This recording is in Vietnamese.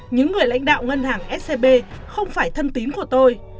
những người lãnh đạo ngân hàng scb không phải thân tín của tôi